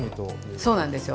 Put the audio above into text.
そうなんですよ。